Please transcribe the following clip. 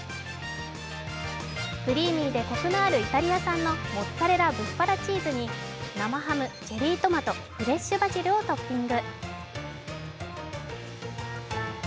クリーミーでコクのあるイタリア産のモッツァレラブッファラチーズに生ハム、チェリートマト、フレッシュバジルをトッピング。